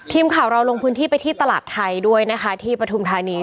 ทีมข่าวเราลงพื้นที่ไปที่ตลาดไทยด้วยนะคะที่ปฐุมธานี